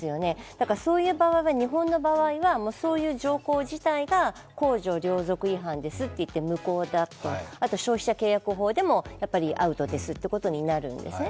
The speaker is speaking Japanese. だからそういう場合、日本の場合は、そういう条項自体が、公序良俗違反ですといって、無効だと、消費者契約法でもアウトですということになるんですね。